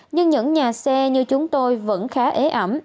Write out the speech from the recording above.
nhưng những nhà xe như chúng tôi vẫn khá ế ẩm